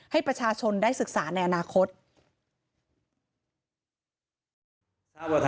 ให้ประชาชนได้ศึกษาในอนาคต